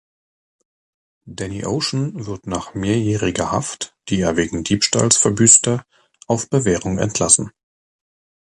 Danny Ocean wird nach mehrjähriger Haft, die er wegen Diebstahls verbüßte, auf Bewährung entlassen.